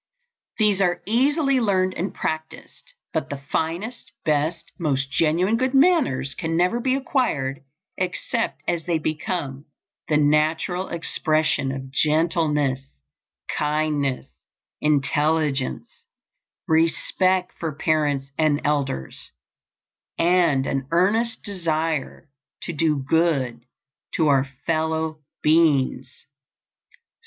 These are easily learned and practiced; but the finest, best, most genuine good manners can never be acquired except as they become the natural expression of gentleness, kindness intelligence, respect for parents and elders, and an earnest desire to do good to our fellow beings.